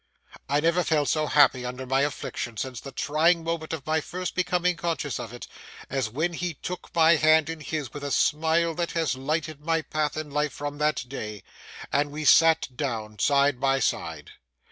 I never felt so happy under my affliction since the trying moment of my first becoming conscious of it, as when he took my hand in his with a smile that has lighted my path in life from that day, and we sat down side by side.